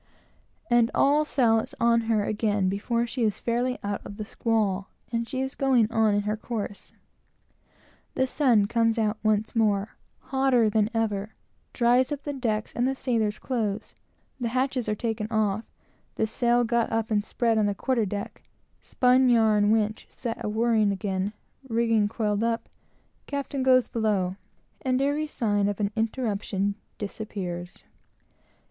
and all sail is on her again before she is fairly out of the squall; and she is going on in her course. The sun comes out once more, hotter than ever, dries up the decks and the sailors' clothes; the hatches are taken off; the sail got up and spread on the quarter deck; spun yarn winch set a whirling again; rigging coiled up; captain goes below; and every sign of an interruption is removed.